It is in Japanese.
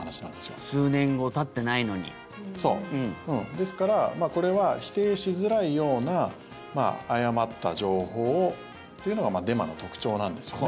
ですから、これは否定しづらいような誤った情報というのがデマの特徴なんですよね。